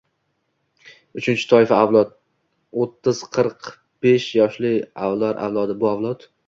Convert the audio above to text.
Uchinchi toifa avlod — o‘ttiz-qirq besh yoshlilar avlodi. Bu avlod...